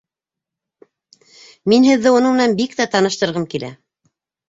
—Мине һеҙҙе уның менән бик тә таныштырғым килә!